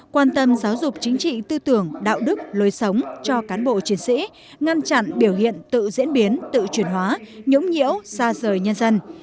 quan tâm giáo dục chính trị tư tưởng đạo đức lối sống cho cán bộ chiến sĩ ngăn chặn biểu hiện tự diễn biến tự chuyển hóa nhũng nhiễu xa rời nhân dân